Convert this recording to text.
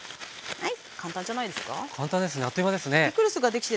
はい。